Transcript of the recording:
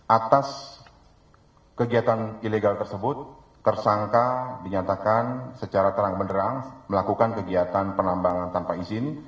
atas kegiatan ilegal tersebut tersangka dinyatakan secara terang benderang melakukan kegiatan penambangan tanpa izin